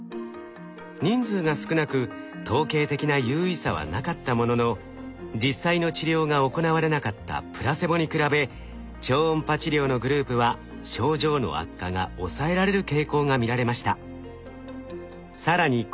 人数が少なく統計的な有意差はなかったものの実際の治療が行われなかったプラセボに比べ超音波治療のグループは症状の悪化が抑えられる傾向が見られました。